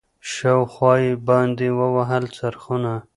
شاوخوا یې باندي ووهل څرخونه